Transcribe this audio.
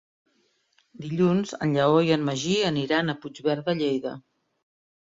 Dilluns en Lleó i en Magí aniran a Puigverd de Lleida.